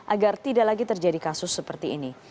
agar tidak lagi terjadi kasus seperti ini